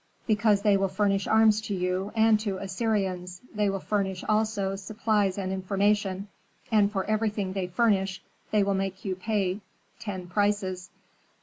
"Because they will furnish arms to you and to Assyrians; they will furnish, also, supplies and information, and for everything they furnish they will make you pay ten prices.